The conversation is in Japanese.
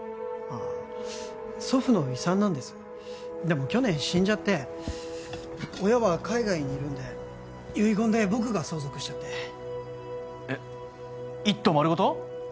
あっ祖父の遺産なんですでも去年死んじゃって親は海外にいるんで遺言で僕が相続しちゃってえっ１棟丸ごと？